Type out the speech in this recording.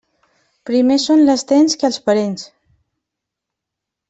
Primer són les dents que els parents.